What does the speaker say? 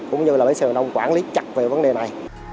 cũng như là bến xe miền đông quản lý chặt về vấn đề này